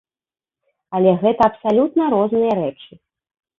Але гэта абсалютна розныя рэчы.